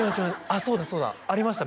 そうだそうだありました